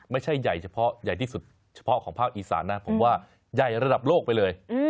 ไม่ใช่ใหญ่เฉพาะใหญ่ที่สุดเฉพาะของภาคอีสานนะผมว่าใหญ่ระดับโลกไปเลย